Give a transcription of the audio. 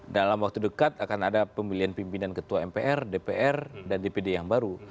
dalam waktu dekat akan ada pemilihan pimpinan ketua mpr dpr dan dpd yang baru